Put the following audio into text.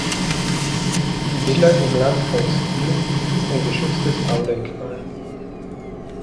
Die Villa im Landhausstil ist ein geschütztes Baudenkmal.